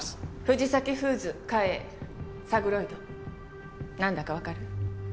藤崎フーズ嘉永サグロイドなんだかわかる？